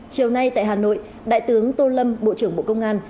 chiều nay tại hà nội đại tướng tô lâm bộ trưởng bộ công an